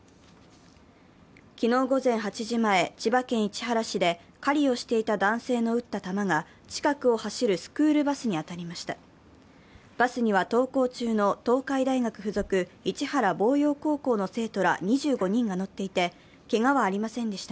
昨日午前８時前、千葉県市原市で狩りをしていた男性の撃った弾が近くを走るスクールバスに当たりました。